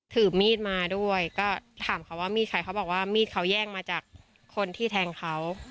ถือมีดมาด้วยก็ถามเขาว่ามีดใครเขาบอกว่ามีดเขาแย่งมาจากคนที่แทงเขา